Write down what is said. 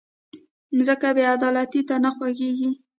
مځکه بېعدالتۍ ته نه خوښېږي.